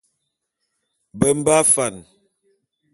Be mbe afan.